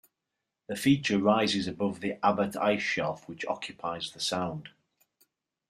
The feature rises above the Abbot Ice Shelf which occupies the sound.